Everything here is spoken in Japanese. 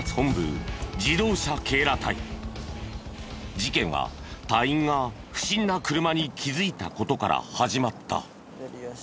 事件は隊員が不審な車に気づいた事から始まった。